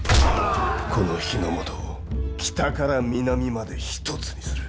この日ノ本を北から南まで一つにする。